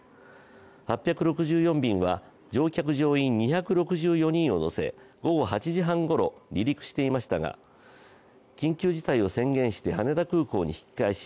８６４便は乗客・乗員２６４人を乗せ午後８時半ごろ離陸していましたが緊急事態を宣言して羽田空港に引き返し